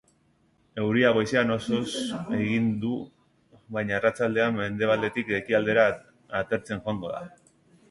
Euria goizean osoz egingo du baina arratsaldean mendebaldetik ekialdera atertzen joango da.